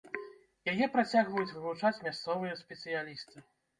Яе працягваюць вывучаць мясцовыя спецыялісты.